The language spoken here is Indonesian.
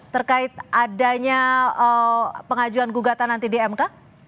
terkait adanya pengajuan gugatan nanti di mk